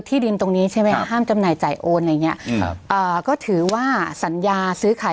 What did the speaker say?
ดินตรงนี้ใช่ไหมครับห้ามจำหน่ายจ่ายโอนอะไรอย่างเงี้ยอืมครับอ่าก็ถือว่าสัญญาซื้อขาย